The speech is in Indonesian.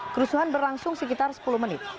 kerusuhan berlangsung sekitar sepuluh menit